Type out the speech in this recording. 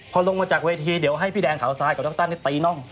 พอลงมาจากเวทีเดี๋ยวให้พี่แดงขาวซ้ายกับดรั้นตีน่อง